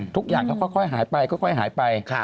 ทุกอย่างจะค่อยหายไป